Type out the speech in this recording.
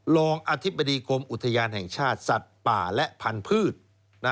รองอธิบดีกรมอุทยานแห่งชาติสัตว์ป่าและพันธุ์